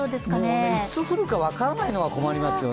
もう、いつ降るか分からないのが困りますよね。